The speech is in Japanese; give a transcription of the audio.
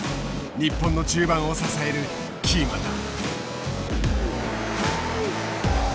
日本の中盤を支えるキーマンだ。